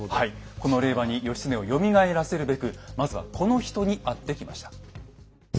この令和に義経をよみがえらせるべくまずはこの人に会ってきました。